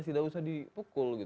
tidak usah dipukul